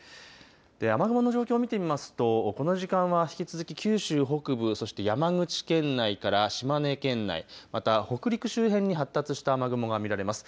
雨雲の状況を見てみますとこの時間は引き続き九州北部、そして山口県内から島根県内、また北陸周辺に発達した雨雲が見られます。